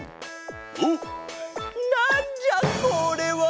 おっなんじゃこれは！